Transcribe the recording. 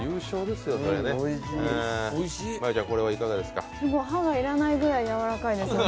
すごい歯が要らないぐらいやわらかいです。